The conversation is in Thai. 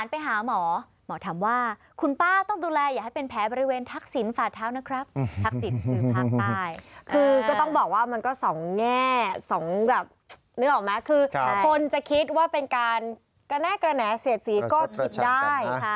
นึกออกไหมคือคนจะคิดว่าเป็นการกระแนกระแนะเสียดสีก็คิดได้